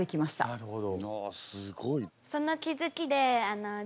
なるほど。